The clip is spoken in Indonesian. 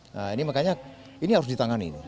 nah ini makanya ini harus ditangani